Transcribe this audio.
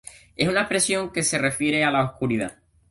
Es una expresión que se refiere a la oscuridad.